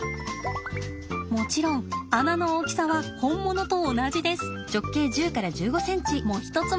もちろん穴の大きさは本物と同じです。もひとつ